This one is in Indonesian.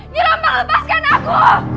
nyerompang lepaskan aku